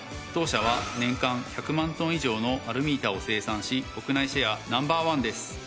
当社は年間１００万トン以上のアルミ板を生産し国内シェアナンバーワンです。